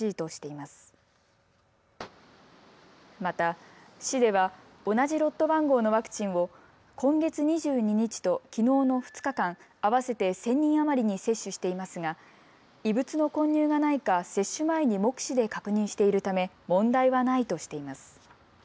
また市では同じロット番号のワクチンを今月２２日ときのうの２日間、合わせて１０００人余りに接種していますが異物の混入がないか接種前に目視で確認しているため問題はないとしています。